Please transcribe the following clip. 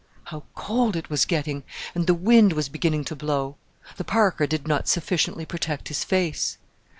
How cold it was getting, and the wind was beginning to blow! The parka did not sufficiently protect his face.